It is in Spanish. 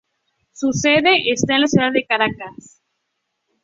Su sede está en la ciudad de Caracas.